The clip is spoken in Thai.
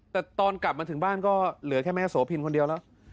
แต่ตอนกลับมาถึงบ้านก็เหลือแค่แม่โสพินคนเดียวแล้ว